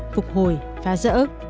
phục hồi phá rỡ